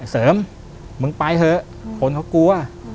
เสริมมึงไปเถอะคนเขากลัว